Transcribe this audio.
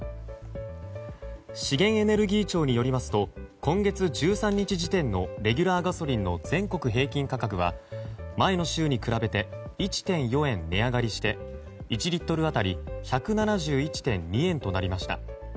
資源エネルギー庁によりますと今月１３日時点のレギュラーガソリンの全国平均価格は前の週に比べて１．４円値上がりして１リットル当たり１７１．２円となりました。